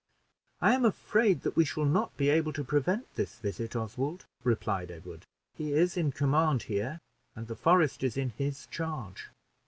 "I am afraid that we shall not be able to prevent this visit, Oswald," replied Edward. "He is in command here, and the forest is in his charge.